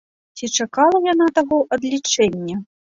Ці чакала яна таго адлічэння?